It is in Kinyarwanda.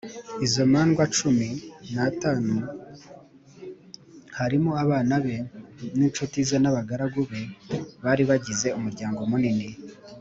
Izo mandwa cumin a gatanu, harimo abana be n’inshuti ze n’abagaragu be bari bagize umuryango munini